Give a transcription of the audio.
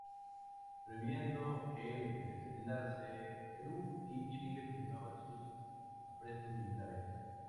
Previendo el desenlace, Perú y Chile continuaban sus aprestos militares.